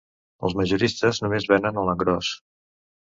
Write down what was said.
Els majoristes només venen a l'engròs.